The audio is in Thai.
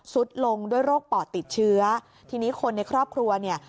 สุดลงด้วยโรคปอดติดเชื้อทีนี้คนในครอบครัวเนี่ย